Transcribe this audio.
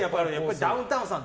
ダウンタウンさん